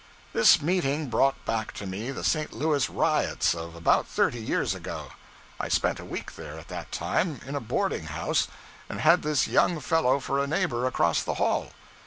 This meeting brought back to me the St. Louis riots of about thirty years ago. I spent a week there, at that time, in a boarding house, and had this young fellow for a neighbor across the hall.